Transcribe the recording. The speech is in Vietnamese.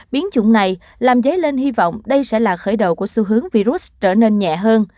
biến chủng này làm dấy lên hy vọng đây sẽ là khởi đầu của xu hướng virus trở nên nhẹ hơn